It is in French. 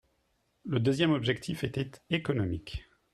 Le deuxième objectif était économique.